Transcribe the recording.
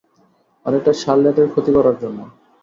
আর এটা শার্লেটের ক্ষতি করার জন্য।